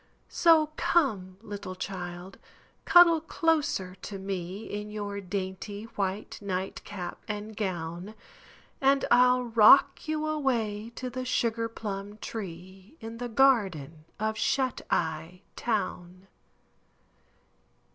So come, little child, cuddle closer to me In your dainty white nightcap and gown, And I'll rock you away to the Sugar Plum Tree In the garden of Shut Eye Town.